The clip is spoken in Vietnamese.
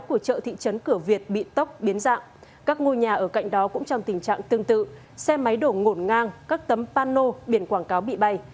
các ngôi nhà ở cạnh đó cũng trong tình trạng tương tự xe máy đổ ngổn ngang các tấm pano biển quảng cáo bị bay